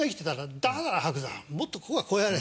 「もっとここはこうやれ。